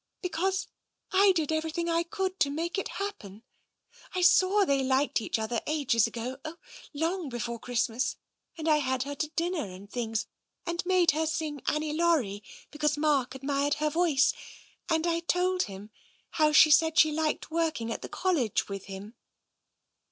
"" Because I did everything I could to make it hap <( TENSION 175 pen. I saw they liked each other, ages ago — oh, long before Christmas ! and I had her to dinner and things, and made her sing * Annie Laurie ' because Mark ad mired her voice, and I told him how she said she liked working at the College with him."